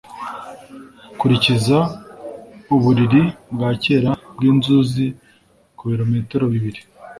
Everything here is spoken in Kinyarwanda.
Kurikiza uburiri bwa kera bwinzuzi kubirometero bibiri